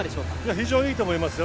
非常にいいと思いますよ。